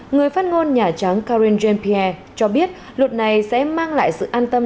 người phát ngôn nhà trắng karin jean pierre cho biết luật này sẽ mang lại sự an tâm